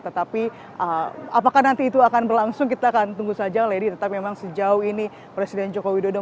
tetapi apakah nanti itu akan berlangsung kita akan tunggu saja lady tetap memang sejauh ini presiden joko widodo